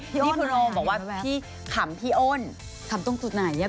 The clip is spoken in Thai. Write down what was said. นี่คุณโอมบอกว่าพี่ขำพี่โอนขำตรงจุดไหนเนี้ย